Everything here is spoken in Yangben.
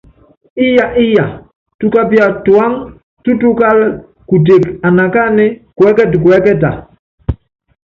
Íya íya, tukapia tuáŋá tútukála kuteke anakánɛ́ kuɛ́kɛtɛ kuɛ́kɛta?